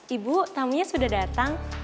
ibu tamunya sudah datang